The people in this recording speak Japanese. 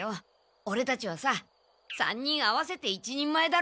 オレたちはさ３人合わせて一人前だろ。